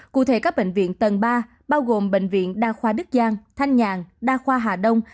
cụ thể các bệnh viện tầng ba bao gồm bệnh viện đa khoa đức giang thanh nhàn đa khoa hà đông